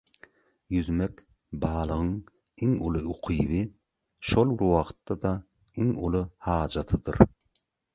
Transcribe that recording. Ýüzmek balygyň iň uly ukyby, şol bir wagtda-da iň uly hajatydyr.